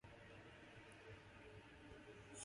A few of the destroyed homes were swept away.